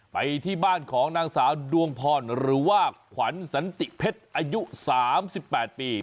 ไปที่บ้านของนางสาวดวงพรหรือว่าขวัญสันติเพชรอายุ๓๘ปี